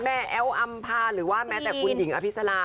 แม่แอลอ่ำพาหรือว่าแต่คุณหญิงเอพิสรา